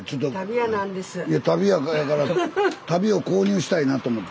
いや足袋屋やから足袋を購入したいなと思って。